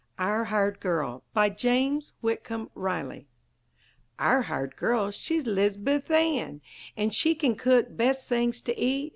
OUR HIRED GIRL BY JAMES WHITCOMB RILEY Our hired girl, she's 'Lizabuth Ann; An' she can cook best things to eat!